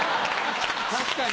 確かに。